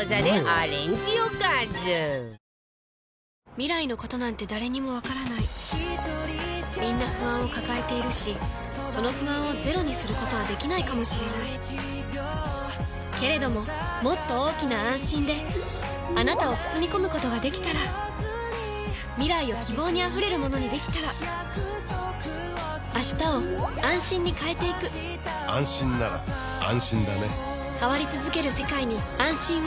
未来のことなんて誰にもわからないみんな不安を抱えているしその不安をゼロにすることはできないかもしれないけれどももっと大きな「あんしん」であなたを包み込むことができたら未来を希望にあふれるものにできたら変わりつづける世界に、「あんしん」を。